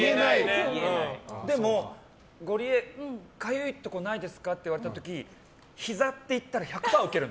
でも、ゴリエかゆいところないですかって言われた時ひざって言ったら１００％ウケるの。